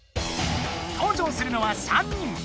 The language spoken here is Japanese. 登場するのは３人。